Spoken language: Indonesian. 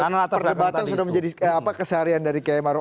kebatasan sudah menjadi keseharian dari k maruf